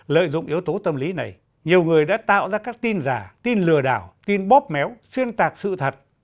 lợi dụng yếu tố tâm lý này nhiều người đã tạo ra các tin giả tin lừa đảo tin bóp méo xuyên tạc sự thật